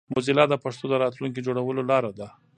موزیلا د پښتو د راتلونکي جوړولو لاره ده.